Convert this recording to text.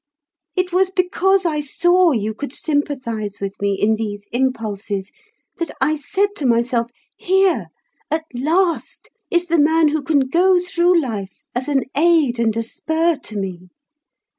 It was because I saw you could sympathise with me in these impulses that I said to myself, 'Here, at last, is the man who can go through life as an aid and a spur to me.